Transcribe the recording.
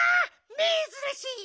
めずらしい！